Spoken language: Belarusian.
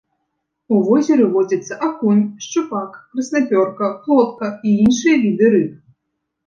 У возеры водзяцца акунь, шчупак, краснапёрка, плотка і іншыя віды рыб.